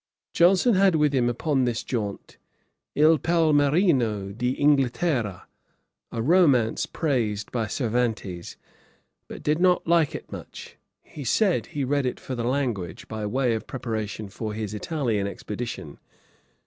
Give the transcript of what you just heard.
Johnson had with him upon this jaunt, 'Il Palmerino d'Inghilterra,' a romance praised by Cervantes; but did not like it much. He said, he read it for the language, by way of preparation for his Italian expedition.